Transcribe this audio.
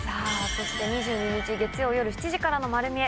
そして２２日月曜夜７時からの『まる見え！』